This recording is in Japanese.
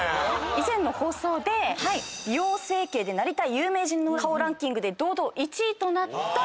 以前の放送で美容整形でなりたい有名人の顔ランキングで１位となった